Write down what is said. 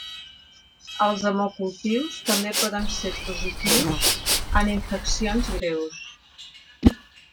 Els hemocultius també poden ser positiu en infeccions greus.